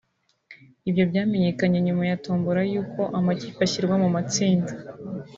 Ibyo byamenyekanye nyuma ya tombola y’uko amakipe ashyirwa mu matsinda